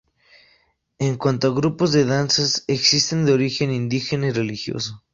En cuanto a grupos de danzas existen de origen indígena y religioso.